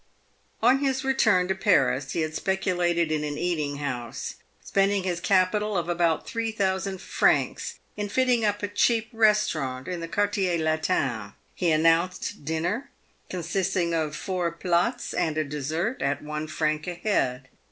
On his return to Paris, he had speculated in an eating house, spending his capital of about three thousand francs in fitting up a cheap restaurant in the " Quar iier Latin." He announced dinner, consisting of four plats and a dessert, at one franc a head.